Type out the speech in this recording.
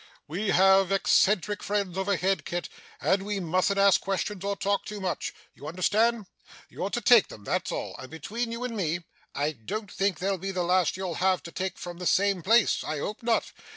We have eccentric friends overhead, Kit, and we mustn't ask questions or talk too much you understand? You're to take them, that's all; and between you and me, I don't think they'll be the last you'll have to take from the same place. I hope not.